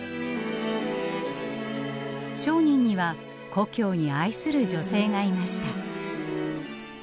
商人には故郷に愛する女性がいました。